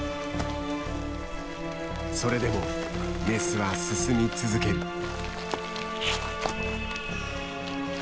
それでもメスは進み続ける。